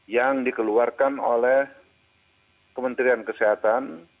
yang dikeluarkan oleh kementerian kesehatan